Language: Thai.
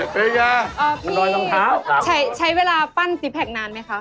พี่ใช้เวลาปั้นตีแผลกนานไหมครับ